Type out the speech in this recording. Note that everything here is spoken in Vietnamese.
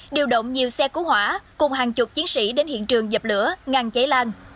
điều động nhiều xe cứu hỏa cùng hàng chục chiến sĩ đến hiện trường dập lửa ngăn cháy lan